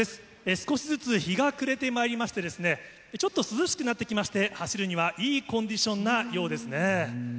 少しずつ日が暮れてまいりまして、ちょっと涼しくなってきまして、走るにはいいコンディションなようですね。